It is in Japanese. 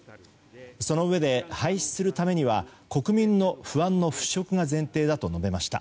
そのうえで廃止するためには国民の不安の払拭が前提だと述べました。